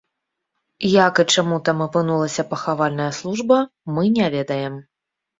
Як і чаму там апынулася пахавальная служба, мы не ведаем.